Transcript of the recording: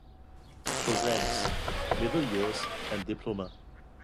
Programmes: Middle Years and Diploma.